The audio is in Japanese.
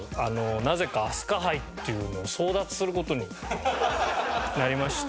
なぜか飛鳥杯というのを争奪する事になりまして。